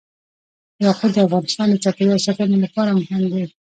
یاقوت د افغانستان د چاپیریال ساتنې لپاره مهم دي.